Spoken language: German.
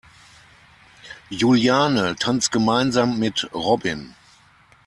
Juliane tanzt gemeinsam mit Robin.